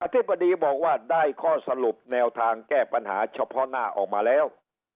ธิบดีบอกว่าได้ข้อสรุปแนวทางแก้ปัญหาเฉพาะหน้าออกมาแล้ว